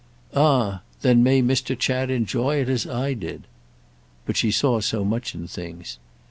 "Ah then may Mr. Chad enjoy it as I did!" But she saw so much in things.